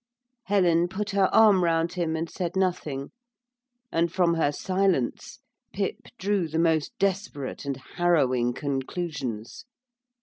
Helen put her arm round him and said nothing. And from her silence Pip drew the most desperate and harrowing conclusions.